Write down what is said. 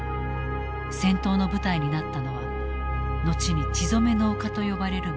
戦闘の舞台になったのは後に血染めの丘と呼ばれるムカデ高地。